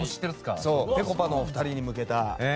ぺこぱのお二人に向けた。